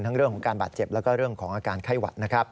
เรื่องของการบาดเจ็บแล้วก็เรื่องของอาการไข้หวัดนะครับ